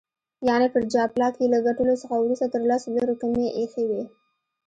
یعني پر جاپلاک یې له ګټلو څخه وروسته تر لسو لیرو کمې ایښي وې.